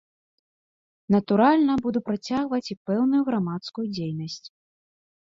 Натуральна, буду працягваць і пэўную грамадскую дзейнасць.